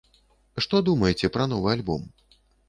Што думаеце пра новы альбом?